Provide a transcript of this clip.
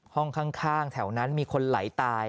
ห้องข้างแถวนั้นมีคนไหลตาย